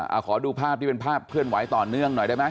เอาขอดูภาพที่เป็นภาพเคลื่อนไหวต่อเนื่องหน่อยได้ไหม